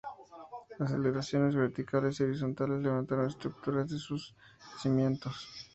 Aceleraciones verticales y horizontales levantaron estructuras de sus cimientos.